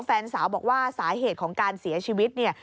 แฟนสาวบอกว่าสาเหตุของการเสียชีวิตเนี่ย